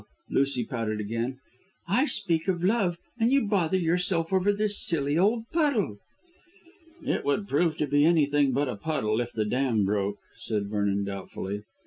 Lucy pouted again. "I speak of love and you bother yourself over this silly old puddle." "It would prove to be anything but a puddle if the dam broke," said Vernon doubtfully.